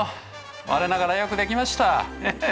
我ながらよくできました。